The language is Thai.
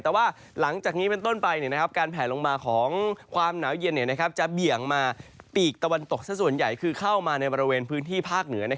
แต่ว่าหลังจากนี้เป็นต้นไปการแผลลงมาของความหนาวเย็นจะเบี่ยงมาปีกตะวันตกสักส่วนใหญ่คือเข้ามาในบริเวณพื้นที่ภาคเหนือ